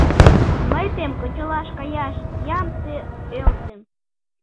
— А мый тыйым кычалаш каяш ям ты ӧлтым.